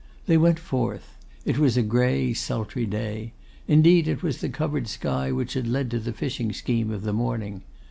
They went forth; it was a grey, sultry day. Indeed it was the covered sky which had led to the fishing scheme of the morning.